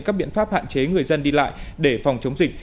các biện pháp hạn chế người dân đi lại để phòng chống dịch